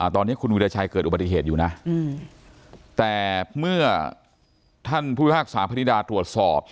ตอนนี้คุณวิราชัยเกิดอุบัติเหตุอยู่นะแต่เมื่อท่านผู้พิพากษาพนิดาตรวจสอบ